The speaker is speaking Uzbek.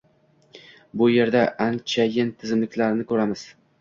bu yerda anchayin tizimlilikni ko‘ramiz.